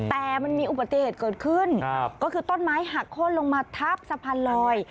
แต่มันมีอุบัติเหตุเกิดขึ้นก็คือต้นไม้หักโค้นลงมาทับสะพานลอย